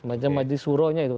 macam majlis huronya itu